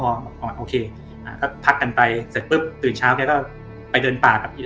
บอกอ่ะโอเคอ่าเขาก็พักกันไปเสร็จปุ๊บตื่นเช้าแกก็ไปเดินป่า